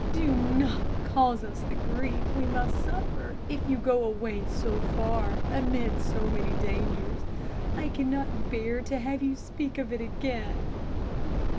Do not cause us the grief we must suffer if you go away so far amid so many dangers. I cannot bear to have you speak of it again."